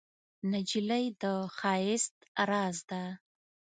نجلۍ د ښایست راز ده.